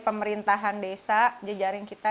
pemerintahan desa di jaring kita